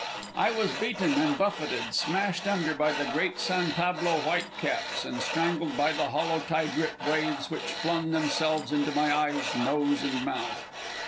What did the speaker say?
I was beaten and buffeted, smashed under by the great San Pablo whitecaps, and strangled by the hollow tide rip waves which flung themselves into my eyes, nose, and mouth.